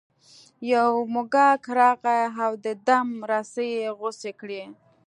یو موږک راغی او د دام رسۍ یې غوڅې کړې.